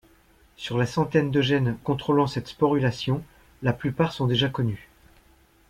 Sur la centaine de gènes contrôlant cette sporulation, la plupart sont déjà connus.